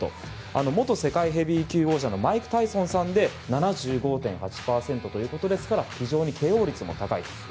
元世界ヘビー級王者のマイク・タイソンさんで７５．８％ということですから非常にＫＯ率も高い。